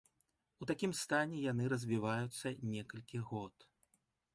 У такім стане яны развіваюцца некалькі год.